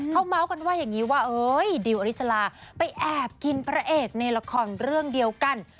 เขาเมาส์กันว่าอย่างนี้ว่าเอ้ยดิวอริสลาไปแอบกินพระเอกในละครเรื่องเดียวกัน